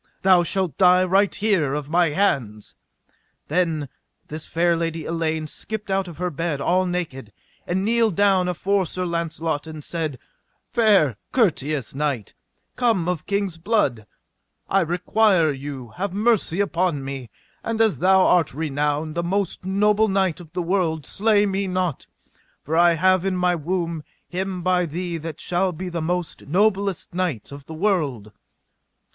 thou shalt die right here of my hands. Then this fair lady Elaine skipped out of her bed all naked, and kneeled down afore Sir Launcelot, and said: Fair courteous knight, come of king's blood, I require you have mercy upon me, and as thou art renowned the most noble knight of the world, slay me not, for I have in my womb him by thee that shall be the most noblest knight of the world.